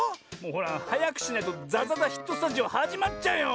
ほらはやくしないと「ザザザ・ヒットスタジオ」はじまっちゃうよ。